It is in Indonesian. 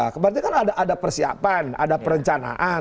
berarti kan ada persiapan ada perencanaan